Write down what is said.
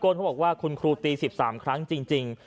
เขาบอกว่าคุณครูตี๑๓ครั้งจริง